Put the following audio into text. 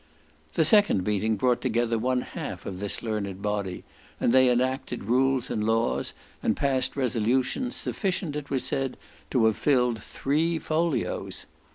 The second meeting brought together one half of this learned body, and they enacted rules and laws, and passed resolutions, sufficient, it was said, to have filled three folios.